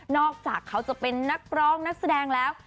จากเขาจะเป็นนักร้องนักแสดงแล้ว